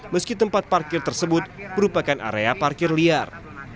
meski tempat parkir tersebut merupakan area parkir liar